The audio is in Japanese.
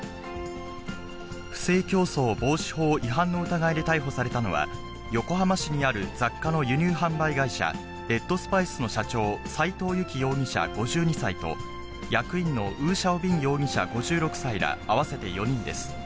不正競争防止法違反の疑いで逮捕されたのは、横浜市にある雑貨の輸入販売会社、レッドスパイスの社長、斉藤雪容疑者５２歳と、役員のウー・シャオ・ビン容疑者５６歳ら合わせて４人です。